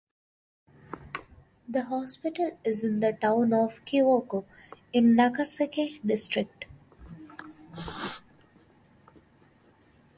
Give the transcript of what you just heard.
The hospital is in the town of Kiwoko, in Nakaseke District.